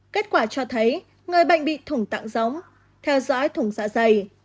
kết quả cho thấy người bệnh bị thủng tạng giống theo dõi thủng dạ dày